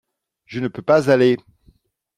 je ne peux pas aller.